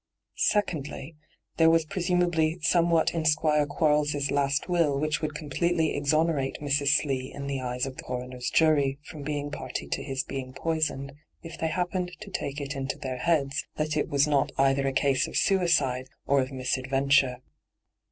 Secondly, there was presumably somewhat in Squire Quarles' last will which would completely ex onerate Mrs. Slee in the eyes of the coroner's jury from being party to his being poisoned, if they happened to take it into their heads that it was not either a case of suicide or of mis hyGoo>^lc ENTRAPPED 49 adventure.